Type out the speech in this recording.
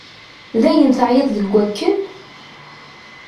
Dayen teεyiḍ deg akken?